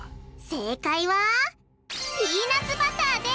正解はピーナツバターです！